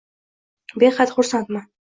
Behad xursandman.